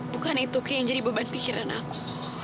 bukan itu yang jadi beban pikiran aku